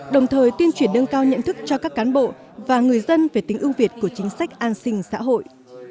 đồng thời tuyên truyền nâng cao nhận thức cho các cán bộ và người dân về tính ưu việt của chính sách an sinh xã hội